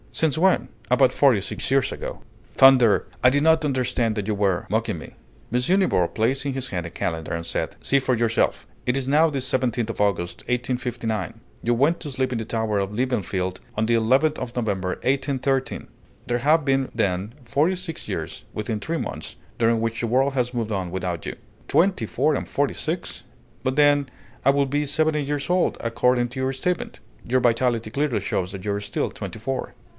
Since when?" "About forty six years ago." "Thunder! I did not understand that you were mocking me!" M. Nibor placed in his hand a calendar, and said, "See for yourself! It is now the 17th of August, 1859; you went to sleep in the tower of Liebenfeld on the 11th of November, 1813: there have been, then, forty six years, within three months, during which the world has moved on without you." "Twenty four and forty six: but then I would be seventy years old, according to your statement!" "Your vitality clearly shows that you are still twenty four."